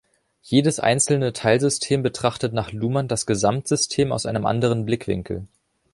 Jedes einzelne Teilsystem betrachtet nach Luhmann das Gesamtsystem aus einem anderen Blickwinkel.